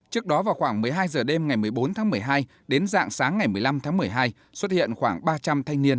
trước đó vào khoảng một mươi hai h đêm ngày một mươi bốn tháng một mươi hai đến dạng sáng ngày một mươi năm tháng một mươi hai xuất hiện khoảng ba trăm linh thanh niên